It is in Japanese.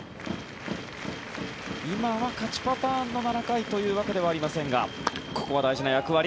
今は勝ちパターンの７回というわけではありませんがここは大事な役割。